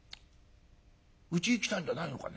うちへ来たんじゃないのかね？